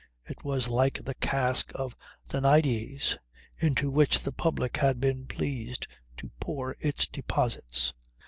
It was like the cask of Danaides into which the public had been pleased to pour its deposits.